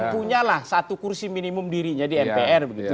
punya lah satu kursi minimum dirinya di mpr